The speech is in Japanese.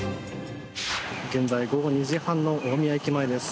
現在、午後２時半の大宮駅前です。